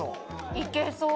行けそう。